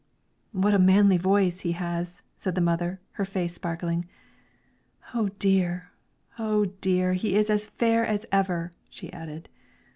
"What a manly voice he has," said the mother, her face sparkling. "O dear, O dear! he is as fair as ever," she added.